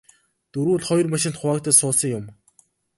Дөрвүүл хоёр машинд хуваагдаж суусан юм.